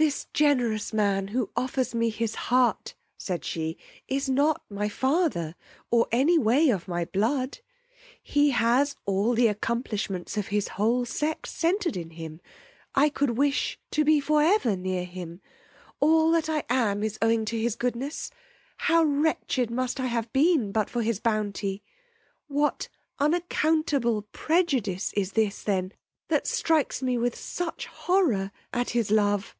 This generous man who offers me his heart, said she, is not my father, or any way of my blood: he has all the accomplishments of his whole sex centered in him. I could wish to be for ever near him. All that I am is owing to his goodness. How wretched must I have been but for his bounty! What unaccountable prejudice is this then that strikes me with such horror at his love!